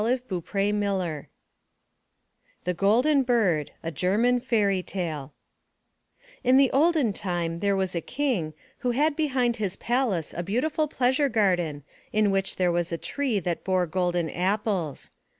291 MY BOOK HOUSE THE GOLDEN BIRD A German Fairy Tale N the olden time there was a king, who had behind his palace a beautiful pleasure garden in which there was a tree that bore golden apples.